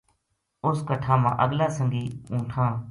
اس کٹھا ما اگلا سنگی اونٹھاں